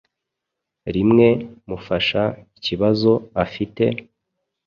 rimwe mufasha ikibazo afite,